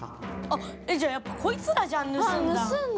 じゃあやっぱこいつらじゃん盗んだの。